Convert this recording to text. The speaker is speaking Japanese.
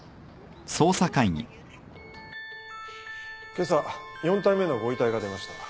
今朝４体目のご遺体が出ました。